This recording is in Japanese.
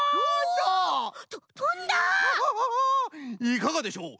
いかがでしょう！？